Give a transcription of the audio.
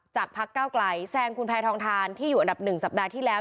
พักเก้าไกลแซงคุณแพทองทานที่อยู่อันดับ๑สัปดาห์ที่แล้ว